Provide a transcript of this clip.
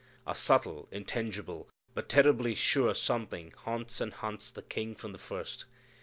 A subtle, intangible, but terribly sure something haunts and hunts the King from the first.